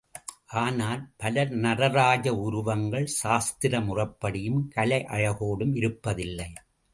ஆனால் பல நடராஜ உருவங்கள் சாஸ்திர முறைப்படியும் கலை அழகோடும் இருப்பதில்லை.